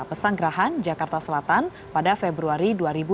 pesanggerahan jakarta selatan pada februari dua ribu dua puluh